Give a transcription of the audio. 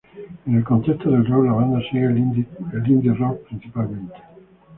En el contexto del rock, la banda sigue el indie rock principalmente.